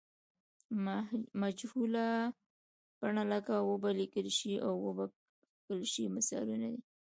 مجهوله بڼه لکه و به لیکل شي او و به کښل شي مثالونه دي.